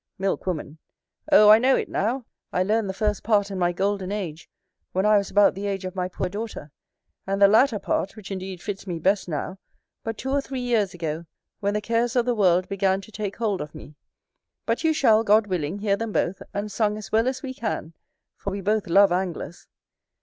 Milk woman. O, I know it now. I learned the first part in my golden age, when I was about the age of my poor daughter; and the latter part, which indeed fits me best now, but two or three years ago, when the cares of the world began to take hold of me: but you shall, God willing, hear them both; and sung as well as we can, for we both love anglers.